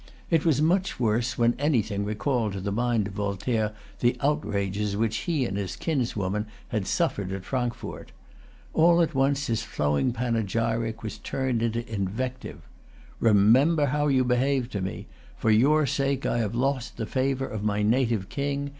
It was much worse when anything recalled to the mind of Voltaire the outrages which he and his kinswoman had suffered at Frankfort. All at once his flowing panegyric was turned into invective. "Remember how you behaved to me. For your sake I have lost the favor of my native king.